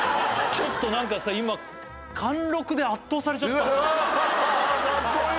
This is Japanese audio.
ちょっとなんかさ今貫禄で圧倒されちゃったカッコイイ！